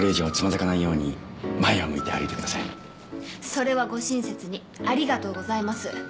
それはご親切にありがとうございます。